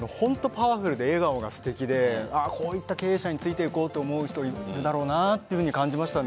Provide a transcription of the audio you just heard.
パワフルで笑顔がすてきでこういった経営者についていこうと思うんだろうなと感じました。